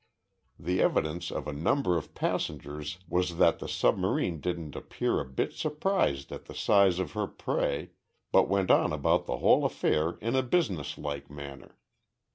The evidence of a number of passengers was that the submarine didn't appear a bit surprised at the size of her prey, but went about the whole affair in a businesslike manner.